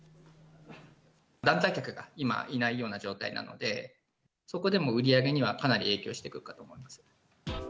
団体客が今いないような状態なので、そこでも売り上げにはかなり影響してくるかと思うんですよ。